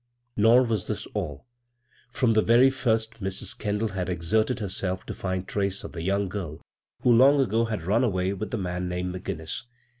Nor was this all. From the very first Mr Kendall had exerted herself to find trace < the young girl who long ago had run awa with the man named " McGinnis."